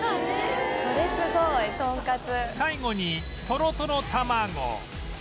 最後にとろとろ卵